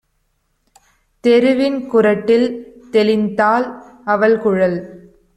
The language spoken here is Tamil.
தெருவின் குறட்டில் தெளித்தாள்! அவள்குழல்